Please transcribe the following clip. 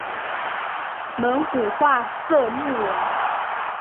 蒙古化色目人。